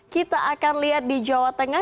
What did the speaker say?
kita akan lihat di jawa tengah